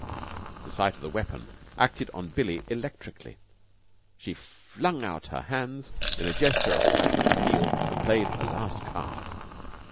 The sight of the weapon acted on Billie electrically. She flung out her hands, in a gesture of passionate appeal, and played her last card.